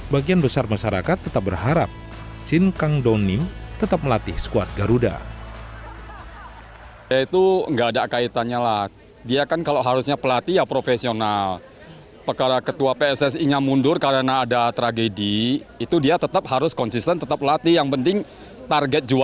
bagian besar masyarakat tetap berharap shin kang dongnim tetap melatih skuad garuda